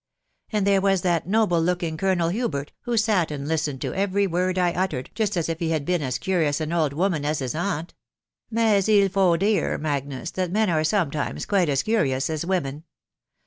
And there was that noble looking Colonel. Hubert, who sat and listened to every word I uttered just as if he had been as curious an old woman as his aunt : maize eel foe dear, Magnus, that men are sometimes quite as curious as women.